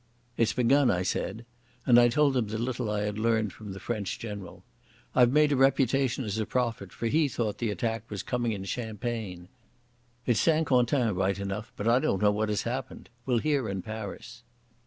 "It's begun," I said, and told them the little I had learned from the French General. "I've made a reputation as a prophet, for he thought the attack was coming in Champagne. It's St Quentin right enough, but I don't know what has happened. We'll hear in Paris."